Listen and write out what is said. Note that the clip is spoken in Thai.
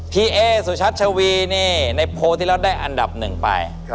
พี่เอสุชัศน์ชวีนี่ในโพสที่เราได้อันดับ๑ไป